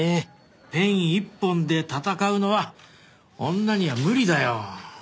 ペン一本で戦うのは女には無理だよ。